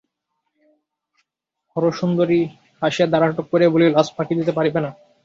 হরসুন্দরী হাসিয়া দ্বার আটক করিয়া বলিত, আজ ফাঁকি দিতে পারিবে না।